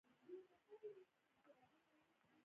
ښځه د ژوند د ټاکلو حق لري.